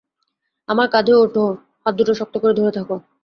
আমার কাঁধে ওঠো, হাতদুটো শক্ত করে ধরে থাকো।